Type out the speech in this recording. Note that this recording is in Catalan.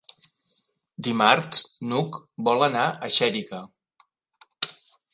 Dimarts n'Hug vol anar a Xèrica.